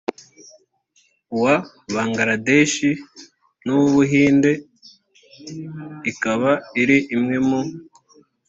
wa bangaladeshi n uw u buhindi ikaba ari imwe mu